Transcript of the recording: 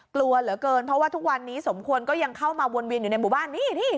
กลัวเหลือเกินเพราะว่าทุกวันนี้สมควรก็ยังเข้ามาวนเวียนอยู่ในหมู่บ้านนี่นี่